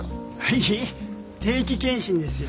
いえ定期健診ですよ。